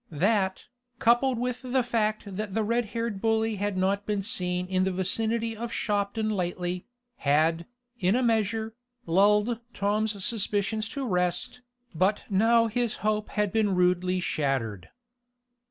That, coupled with the fact that the red haired bully had not been seen in the vicinity of Shopton lately, had, in a measure, lulled Tom's suspicions to rest, but now his hope had been rudely shattered.